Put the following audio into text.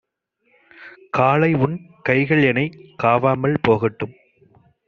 காளைஉன் கைகள்எனைக் காவாமல் போகட்டும்